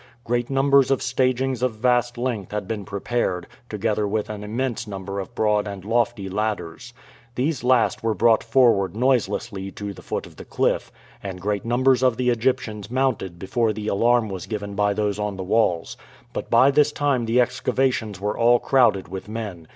Great numbers of stagings of vast length had been prepared, together with an immense number of broad and lofty ladders. These last were brought forward noiselessly to the foot of the cliff, and great numbers of the Egyptians mounted before the alarm was given by those on the walls. But by this time the excavations were all crowded with men.